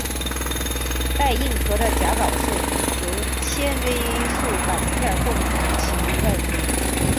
带硬壳的甲藻是由纤维素板片构成其外壳。